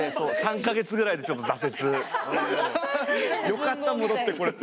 よかった戻ってこれて。